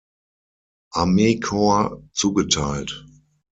Armeekorps" zugeteilt.